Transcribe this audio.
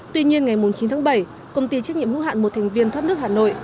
tuy nhiên ngày chín tháng bảy công ty trách nhiệm hữu hạn một thành viên thoát nước hà nội